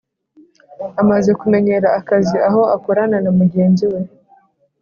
amaze kumenyera akazi aho akorana namugenzi we